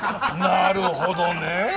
なるほどね。